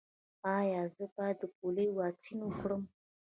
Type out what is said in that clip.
ایا زه باید د پولیو واکسین وکړم؟